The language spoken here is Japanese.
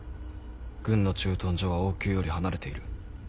⁉軍の駐屯所は王宮より離れている。